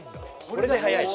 これで速いし。